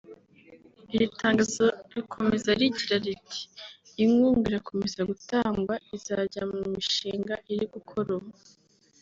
Iri tangazo rikomeza rigira riti “Inkunga irakomeza gutangwa izajya mu mishinga iri gukora ubu